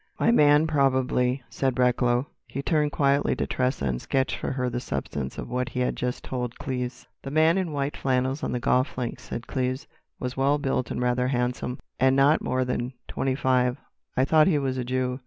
"My man, probably," said Recklow. He turned quietly to Tressa and sketched for her the substance of what he had just told Cleves. "The man in white flannels on the golf links," said Cleves, "was well built and rather handsome, and not more than twenty five. I thought he was a Jew."